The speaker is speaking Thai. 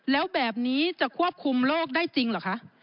แล้วแบบนี้จะควบคุมโรคได้จริงเหรอคะ